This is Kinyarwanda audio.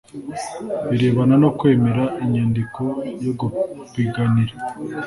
Birebana no kwemera inyandiko yo gupiganira